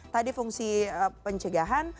tadi fungsi pencegahan